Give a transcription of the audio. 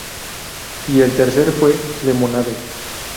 Y el tercer fue "Lemonade".